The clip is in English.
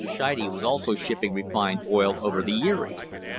Scheide was also shipping refined oil over the Erie.